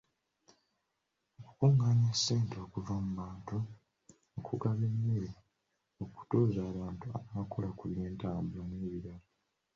Okukuŋŋaanya ssente okuva mu bantu, okugaba emmere, okutuuza abantu, anaakola ku by’entambula n’ebirala.